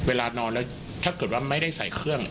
เวลานอนแล้วถ้าเกิดว่าไม่ได้ใส่เครื่อง